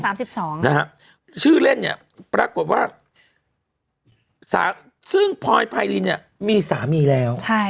ซึ่งชื่อเล่นเนี่ยปรากฏว่าซึ่งพลอยไพรินเนี่ยมีสามีแล้วใช่